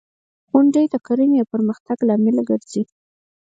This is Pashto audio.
• غونډۍ د کرنې د پرمختګ لامل ګرځي.